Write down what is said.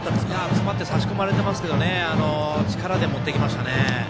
詰まって差し込まれてますけど力で持っていきましたね。